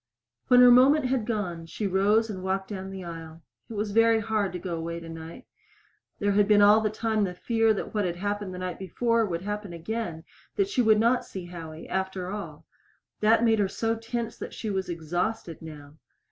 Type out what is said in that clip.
When her moment had gone, she rose and walked down the aisle. It was very hard to go away tonight. There had been all the time the fear that what happened the night before would happen again that she would not see Howie, after all. That made her so tense that she was exhausted now.